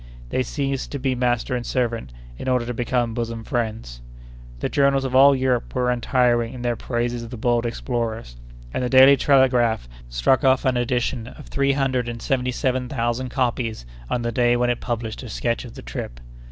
They ceased to be master and servant, in order to become bosom friends. The journals of all Europe were untiring in their praises of the bold explorers, and the Daily Telegraph struck off an edition of three hundred and seventy seven thousand copies on the day when it published a sketch of the trip.